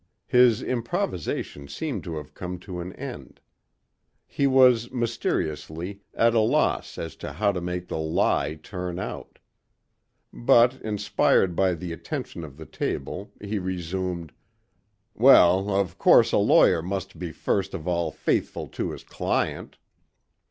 His improvisation seemed to have come to an end. He was, mysteriously, at a loss as to how to make the lie turn out. But inspired by the attention of the table he resumed: "Well, of course a lawyer must be first of all faithful to his client."